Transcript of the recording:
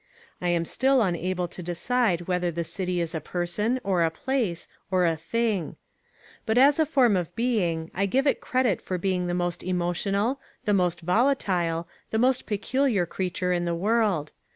I am still unable to decide whether the city is a person, or a place, or a thing. But as a form of being I give it credit for being the most emotional, the most volatile, the most peculiar creature in the world.